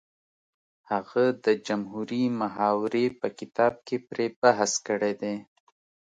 هغه د جمهوري محاورې په کتاب کې پرې بحث کړی دی